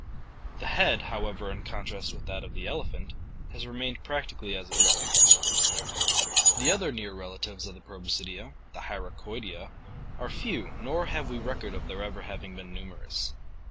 The head, however, in contrast with that of the elephant, has remained prac tically as it was. The other near relatives of the Proboscidea, the Hyracoidea (Fig. 189), are few, nor have we record of their ever having been numerous.